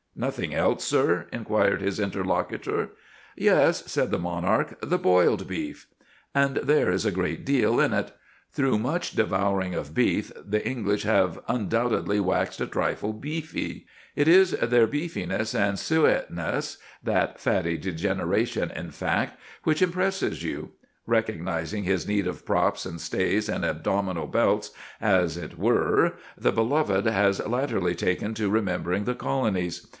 "Nothing else, sir?" inquired his interlocutor. "Yes," said the monarch; "the boiled beef." And there is a great deal in it. Through much devouring of beef the English have undoubtedly waxed a trifle beefy. It is their beefiness and suetiness that fatty degeneration, in fact which impress you. Recognising his need of props and stays and abdominal belts, as it were, the Beloved has latterly taken to remembering the Colonies.